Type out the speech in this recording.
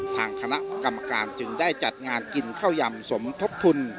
ทางคณะกรรมการจึงได้จัดงานกินข้าวยำสมทบทุน